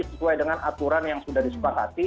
sesuai dengan aturan yang sudah disepakati